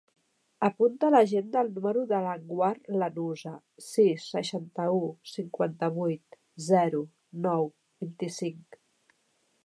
Apunta a l'agenda el número de l'Anwar Lanuza: sis, seixanta-u, cinquanta-vuit, zero, nou, vint-i-cinc.